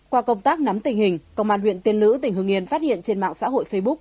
qua công tác nắm tình hình công an huyện tiên nữ tỉnh hưng yên phát hiện trên mạng xã hội facebook